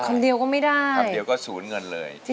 คำเดียวก็สูญเงินเลย